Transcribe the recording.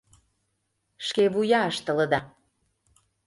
— Шкевуя ыштылыда